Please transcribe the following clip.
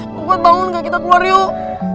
gue kuat bangun gak kita keluar yuk